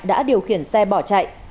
đã điều khiển xe bỏ chạy